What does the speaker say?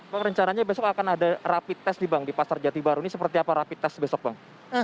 bang rencananya besok akan ada rapid test nih bang di pasar jati baru ini seperti apa rapid test besok bang